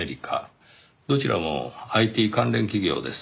どちらもＩＴ関連企業です。